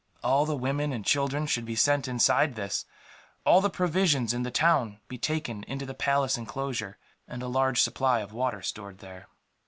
All the women and children should be sent inside this, all the provisions in the town be taken into the palace enclosure, and a large supply of water stored there.